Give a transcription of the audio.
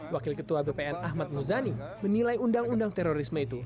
wakil ketua bpn ahmad muzani menilai undang undang terorisme itu